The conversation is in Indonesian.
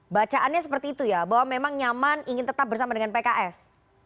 bacaannya seperti itu ya bahwa memang nyaman ingin tetap bersama dengan pks